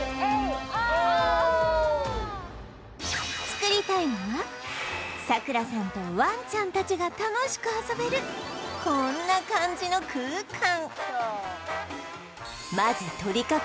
作りたいのはさくらさんとワンちゃんたちが楽しく遊べるこんな感じの空間